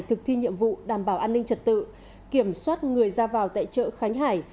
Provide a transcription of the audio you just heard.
thực thi nhiệm vụ đảm bảo an ninh trật tự kiểm soát người ra vào tại chợ khánh hải